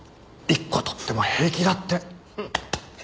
１個取っても平気だって。